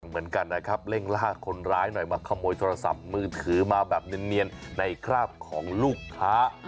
เหมือนกันนะครับเร่งล่าคนร้ายหน่อยมาขโมยโทรศัพท์มือถือมาแบบเนียนในคราบของลูกค้า